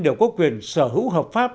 đều có quyền sở hữu hợp pháp